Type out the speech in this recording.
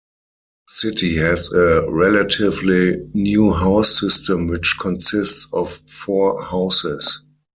City has a relatively new house system which consists of four houses.